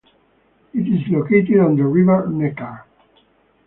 It is located on the river Neckar.